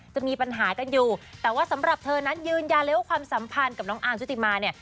จะมีปัญหากันอยู่แต่ว่าสำหรับเธอนั้นยืนยันเลยว่าความสัมพันธ์กับน้องอาร์มชุติมาเนี่ย